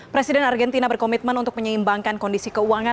presiden argentina berkomitmen untuk menyeimbangkan kondisi keuangan